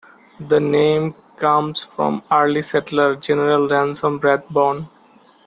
The name comes from early settler, General Ransom Rathbone.